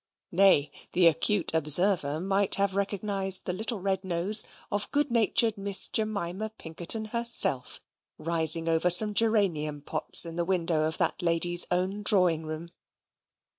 Nay, the acute observer might have recognized the little red nose of good natured Miss Jemima Pinkerton herself, rising over some geranium pots in the window of that lady's own drawing room.